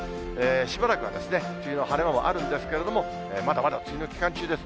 しばらくは梅雨の晴れ間もあるんですけれども、まだまだ梅雨の期間中です。